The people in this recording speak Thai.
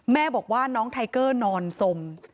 แม่บอกว่าน้องไทเกอร์นอนสม